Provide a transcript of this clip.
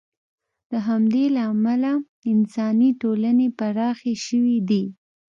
د همدې له امله انساني ټولنې پراخې شوې دي.